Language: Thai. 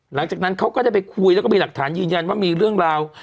หลังจากนั้นเขาก็ได้ไปคุยแล้วก็มีหลักฐานยืนยันว่ามีเรื่องราว